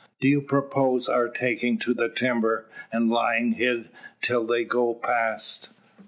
"Do you propose our taking to the timber, and lying hid till they go past?"